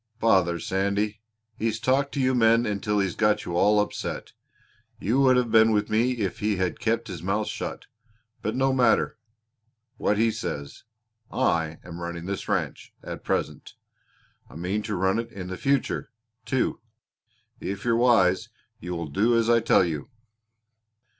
"Bother Sandy! He's talked to you men until he's got you all upset. You would have been with me if he had kept his mouth shut. But no matter what he says I am running this ranch at present. I mean to run it in the future, too. If you're wise you will do as I tell you."